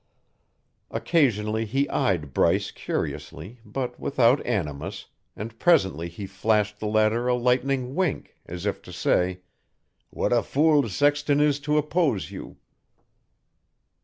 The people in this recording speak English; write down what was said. Occasionally he eyed Bryce curiously but without animus, and presently he flashed the latter a lightning wink, as if to say: "What a fool Sexton is to oppose you!"